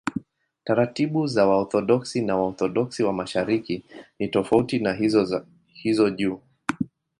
Taratibu za Waorthodoksi na Waorthodoksi wa Mashariki ni tofauti na hizo juu.